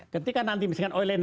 ketika nanti misalnya olain